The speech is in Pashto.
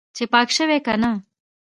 چې پاک شوی که نه.